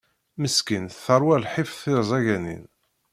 Meskint terwa lḥif d terẓaganin.